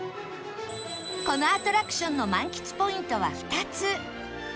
このアトラクションの満喫ポイントは２つ